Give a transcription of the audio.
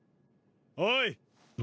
おい！